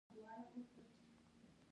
کیله پوټاشیم لري